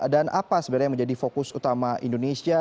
dan apa sebenarnya yang menjadi fokus utama indonesia